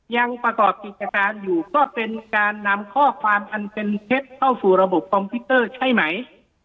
ยังประกอบกิจการอยู่ก็เป็นการนำข้อความอันเป็นเท็จเข้าสู่ระบบคอมพิวเตอร์ใช่ไหม